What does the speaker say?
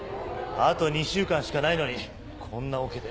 あと２週間しかないのにこんなオケで。